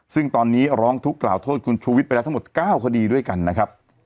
ซึ่งตอนนี้ร้องทุกข์กล่าวโทษคุณชูวิทย์ไปแล้วทั้งหมด๙คดีด้วยกันนะครับ